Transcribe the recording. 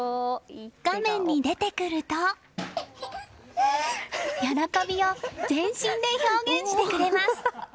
画面に出てくると喜びを全身で表現してくれます。